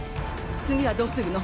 次はどうするの？